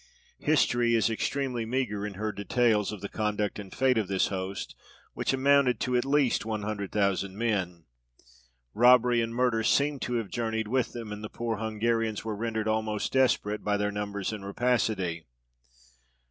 History is extremely meagre in her details of the conduct and fate of this host, which amounted to at least one hundred thousand men. Robbery and murder seem to have journeyed with them, and the poor Hungarians were rendered almost desperate by their numbers and rapacity.